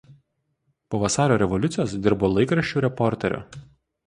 Po Vasario revoliucijos dirbo laikraščių reporteriu.